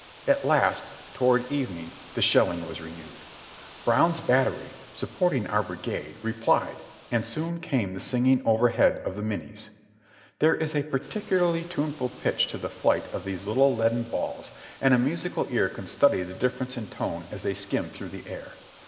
At last, toward evening, the shelling was renewed. Brown's bat tery, supporting our brigade, replied, and soon came the singing overhead of the Minies ; there is a peculiarly tuneful pitch to the flight of these little leaden balls, and a musical ear can study the difference in tone as they skim through the air.